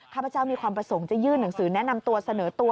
ข้าพเจ้ามีความประสงค์จะยื่นหนังสือแนะนำตัวเสนอตัว